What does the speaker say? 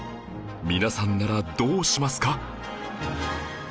皆さんならどうしますか？